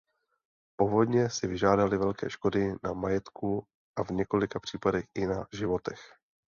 Povodně si vyžádaly velké škody na majetku a v několika případech i na životech.